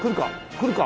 来るか？